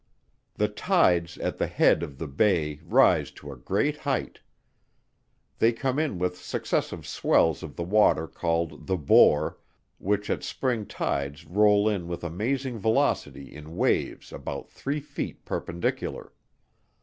The tides at the head of the Bay rise to a great height. They come in with successive swells of the water called the Boar, which at spring tides roll in with amazing velocity in waves about three feet perpendicular.